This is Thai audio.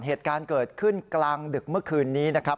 เหตุการณ์เกิดขึ้นกลางดึกเมื่อคืนนี้นะครับ